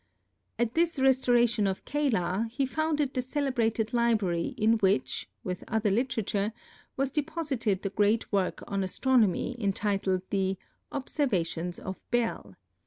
At this restoration of Calah, he founded the celebrated library in which, with other literature, was deposited the great work on astronomy, entitled the "Observations of Bel."